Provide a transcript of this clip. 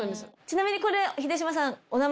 ちなみにこれ秀島さん。